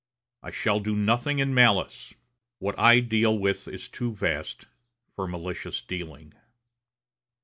I shall do nothing in malice. What I deal with is too vast for malicious dealing."